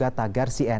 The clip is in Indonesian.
dan juga tagar cnn